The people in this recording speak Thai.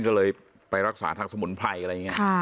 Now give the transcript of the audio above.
ก็เลยไปรักษาทางสมุนไพรอะไรอย่างนี้